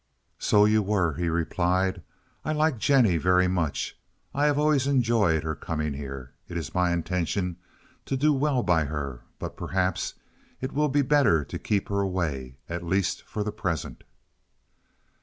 "So you were," he replied. "I like Jennie very much. I have always enjoyed her coming here. It is my intention to do well by her, but perhaps it will be better to keep her away, at least for the present."